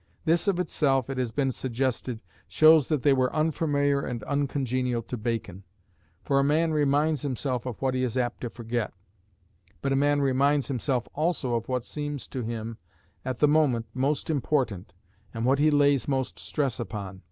This of itself, it has been suggested, shows that they were unfamiliar and uncongenial to Bacon; for a man reminds himself of what he is apt to forget. But a man reminds himself also of what seems to him, at the moment, most important, and what he lays most stress upon.